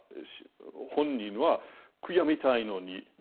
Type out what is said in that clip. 本人は悔やみたいのに。